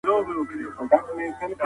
هره ورځ خپل چاپيريال پاک او صفا وساتئ.